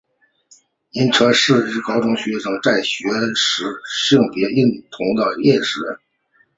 仁川世一高等学校在学时性别认同的认识。